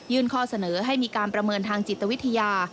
ข้อเสนอให้มีการประเมินทางจิตวิทยา